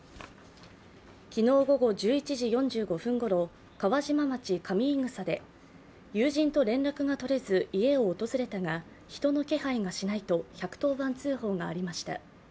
昨日午後１１時４５分ごろ川島町上伊草で友人と連絡が取れず家を訪れたが人の気配がしないと１１０番通報がありました。